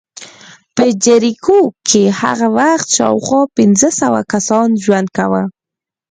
په جریکو کې هغه وخت شاوخوا پنځه سوه کسانو ژوند کاوه